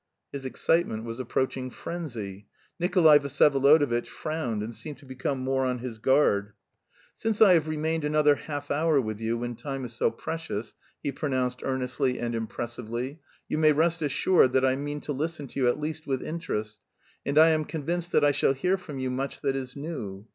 His excitement was approaching frenzy. Nikolay Vsyevolodovitch frowned and seemed to become more on his guard. "Since I have remained another half hour with you when time is so precious," he pronounced earnestly and impressively, "you may rest assured that I mean to listen to you at least with interest... and I am convinced that I shall hear from you much that is new."